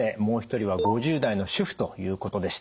もう一人は５０代の主婦ということでした。